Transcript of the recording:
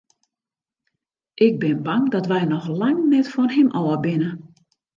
Ik bin bang dat wy noch lang net fan him ôf binne.